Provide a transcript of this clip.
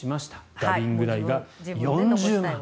ダビング代が４０万。